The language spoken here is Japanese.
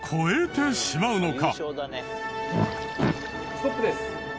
ストップです。